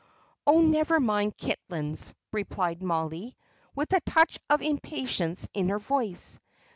"Oh, never mind Kitlands," replied Mollie, with a touch of impatience in her voice.